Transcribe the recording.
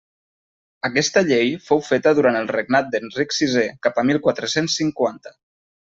Aquesta llei fou feta durant el regnat d'Enric sisè, cap a mil quatre-cents cinquanta.